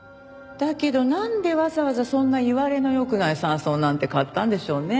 だけどなんでわざわざそんないわれの良くない山荘なんて買ったんでしょうねえ？